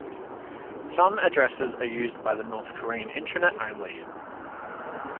Some addresses are used by the North Korean Intranet only.